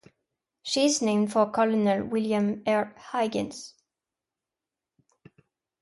She is named for Colonel William R. Higgins.